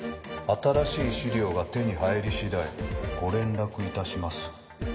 「新しい資料が手に入り次第ご連絡いたします」